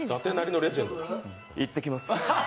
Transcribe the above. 行ってきます。